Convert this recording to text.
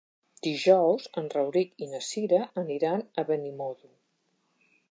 Dijous en Rauric i na Cira aniran a Benimodo.